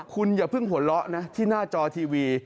คุณอย่าเพิ่งหัวเราะนะที่หน้าจอทีวี